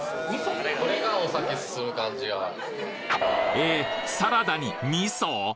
えっサラダに味噌！？